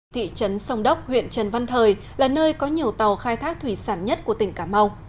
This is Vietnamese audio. thị trấn sông đốc huyện trần văn thời là nơi có nhiều tàu khai thác thủy sản nhất của tỉnh cà mau